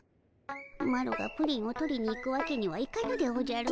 マロがプリンを取りに行くわけにはいかぬでおじゃる。